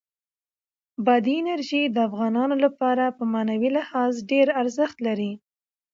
بادي انرژي د افغانانو لپاره په معنوي لحاظ ډېر ارزښت لري.